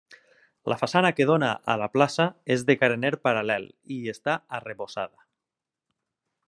La façana que dóna a la plaça és de carener paral·lel i està arrebossada.